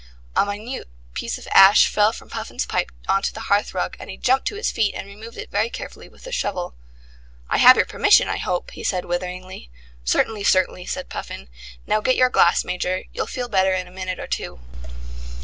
A minute piece of ash fell from Puffin's pipe on to the hearthrug, and he jumped to his feet and removed it very carefully with the shovel. "I have your permission, I hope?" he said witheringly. "Certainly, certainly," said Puffin. "Now get your glass, Major. You'll feel better in a minute or two."